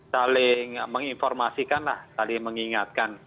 saling menginformasikan lah saling mengingatkan